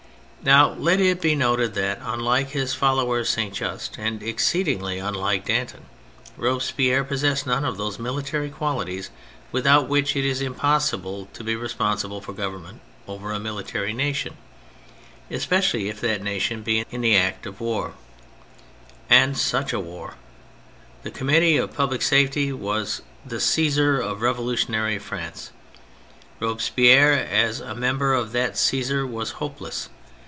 Now let it be noted that, unlike his follower Saint Just, and exceedingly unlike Danton, Robespierre possessed none of those militaiy qualities without which it is impossible to be responsible for government over a mili tary nation — especially if that nation be in the act of war : and such a war ! The Conmiittee of Public Safety was the Csesar of revolutionary France. Robespierre as a member of that Caesar was hopeless.